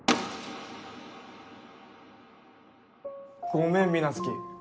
ごめん皆月。